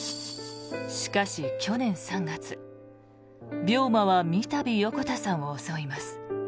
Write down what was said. しかし去年３月、病魔はみたび横田さんを襲います。